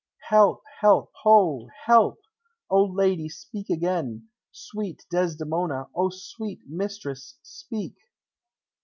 "Help! help, ho! Help! O lady, speak again! Sweet Desdemona! O sweet mistress, speak!"